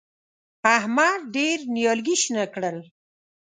احمد ډېر نيالګي شنه کړل.